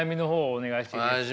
お願いします。